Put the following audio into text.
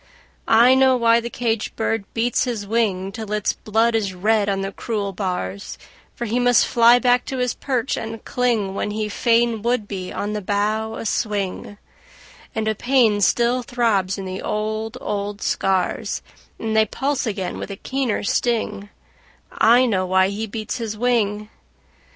I know why the caged bird beats his wing Till its blood is red on the cruel bars; For he must fly back to his perch and cling When he fain would be on the bough a swing; And a pain still throbs in the old, old scars And they pulse again with a keener sting I know why he beats his wing!